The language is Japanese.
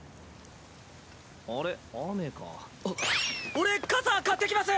俺傘買ってきます！